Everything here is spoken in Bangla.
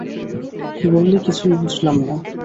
কী বললি কিছুই বুঝলাম না।